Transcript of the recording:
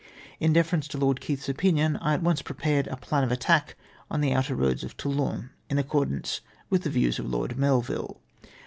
Li deference to Lord Keith's opinion I at once pre pared a .plan of attack on the outer roads of Toulon, in accordance with the views of Lord Melville.